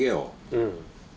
うん。